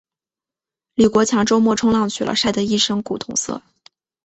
李国强周末冲浪去了，晒得一身古铜色。